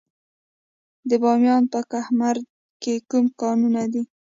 د بامیان په کهمرد کې کوم کانونه دي؟